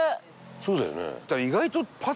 そうだよね。